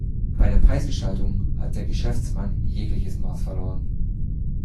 Bei der Preisgestaltung hat der Geschäftsmann jegliches Maß verloren.